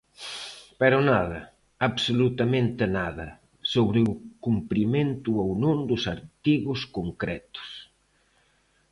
Pero nada, absolutamente nada, sobre o cumprimento ou non dos artigos concretos.